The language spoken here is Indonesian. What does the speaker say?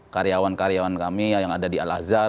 karyawan karyawan kami yang ada di al azhar